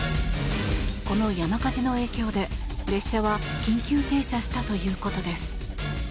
この山火事の影響で列車は緊急停車したということです。